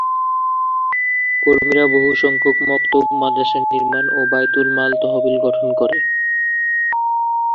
কর্মীরা বহুসংখ্যক মক্তব, মাদ্রাসা নির্মাণ ও বায়তুল মাল তহবিল গঠন করে।